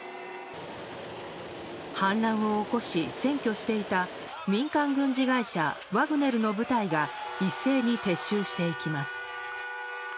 反乱を起こし、占拠していた民間軍事会社ワグネルの部隊が一斉に撤収していきます。